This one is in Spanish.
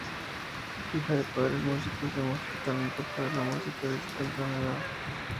Hija de padres músicos, demostró talento para la música desde temprana edad.